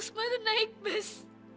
semua itu naik bus